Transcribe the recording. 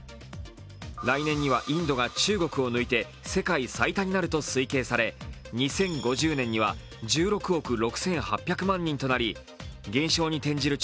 来年にはインドが中国を抜いて世界最多になると推定され２０５０年には１６億６８００万人となり、減少に転じる